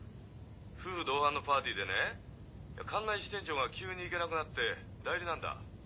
夫婦同伴のパーティーでね関内支店長が急に行けなくなって代理なんだ。